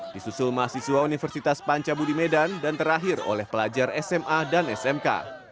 disusul mahasiswa universitas panca budi medan dan terakhir oleh pelajar sma dan smk